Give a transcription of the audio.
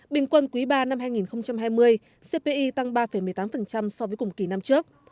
bình quân quý ba năm hai nghìn hai mươi cpi tăng ba một mươi tám so với cùng kỳ năm trước